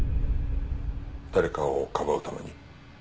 誰かをかばうために。